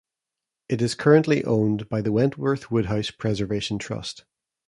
It is currently owned by the Wentworth Woodhouse Preservation Trust.